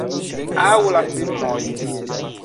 Aŭ la filmoj.